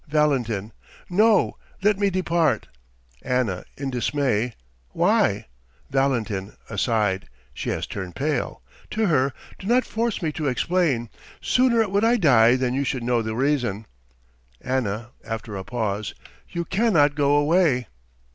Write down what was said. ... VALENTIN No, let me depart. ANNA (in dismay): Why? VALENTIN (aside): She has turned pale! (To her) Do not force me to explain. Sooner would I die than you should know the reason. ANNA (after a pause): You cannot go away.